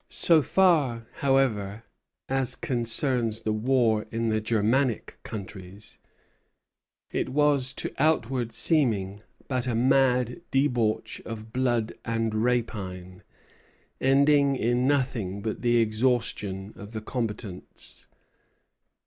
So far, however, as concerns the war in the Germanic countries, it was to outward seeming but a mad debauch of blood and rapine, ending in nothing but the exhaustion of the combatants.